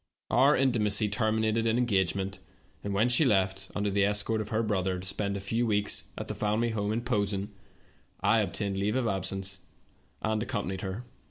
Our intimacy terminated in an engagement, and when she left, under the escort of her brother, to spend a few weeks at the family home in Posen, I obtained leave of absence, and accompanied her.